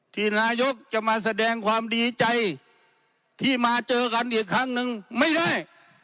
ที่นายกจะมาแสดงความดีใจที่มาเจอกันอีกครั้งนึงไม่ได้